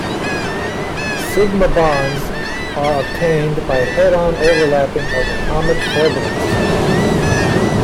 Sigma bonds are obtained by head-on overlapping of atomic orbitals.